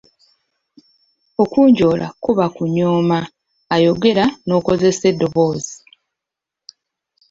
Okuŋoola kuba kunyooma ayogera ng’okozesa eddoboozi.